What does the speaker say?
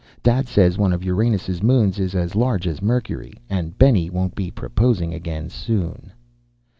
Dad says one of Uranus' moons is as large as Mercury. And Benny won't be proposing again soon!"